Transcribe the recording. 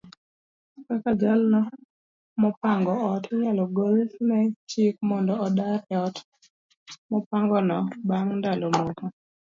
kaka jalo mopango ot inyalo golne chik mondo odar eot mopangono bang' ndalo moko.